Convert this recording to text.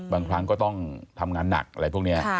บางครั้งก็ต้องทำงานหนักอะไรพวกนี้